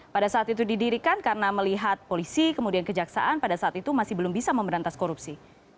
pada saat itu didirikan karena melihat polisi kemudian kejaksaan pada saat itu masih belum bisa memberantas korupsi